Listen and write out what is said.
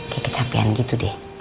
kayak kecapean gitu deh